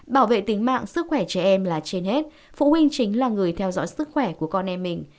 bảo vệ tính mạng sức khỏe trẻ em là trên hết phụ huynh chính là người theo dõi sức khỏe của con em mình